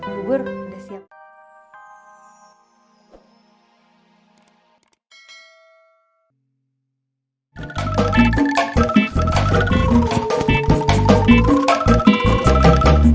bubur udah siap